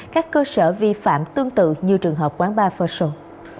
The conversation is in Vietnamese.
các cơ sở vi phạm tương tự như trường hợp quán bar first show